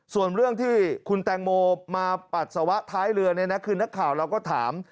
ส่วนเรื่องที่คุณแตงโมมาปัสสาวะท้ายเรือเนี่ยนะคือนักข่าวเราก็ถาม